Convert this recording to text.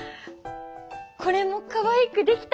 これもかわいく出来た！